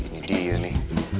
ini dia nih